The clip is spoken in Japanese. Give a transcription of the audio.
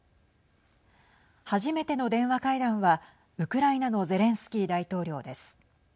初めての電話会談はウクライナのゼレンスキー大統領です。